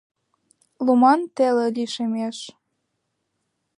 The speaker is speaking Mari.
Луман теле лишемеш.